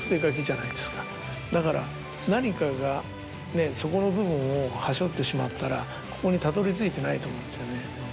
だから何かがそこの部分をはしょってしまったらここにたどり着いてないと思うんですよね。